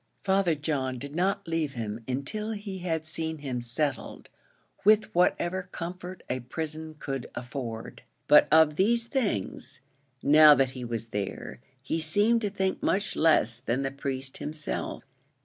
Father John did not leave him until he had seen him settled with whatever comfort a prison could afford; but of these things, now that he was there, he seemed to think much less than the priest himself.